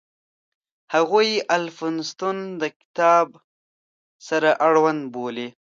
هغوی د الفونستون د کتاب سره اړوند بولي.